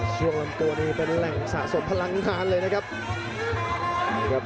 ลำตัวนี้เป็นแหล่งสะสมพลังงานเลยนะครับ